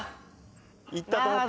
いったと思ったな。